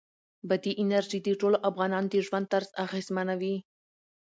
بادي انرژي د ټولو افغانانو د ژوند طرز اغېزمنوي.